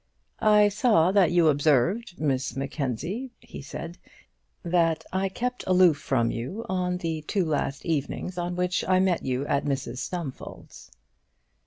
"I saw that you observed, Miss Mackenzie," he said, "that I kept aloof from you on the two last evenings on which I met you at Mrs Stumfold's."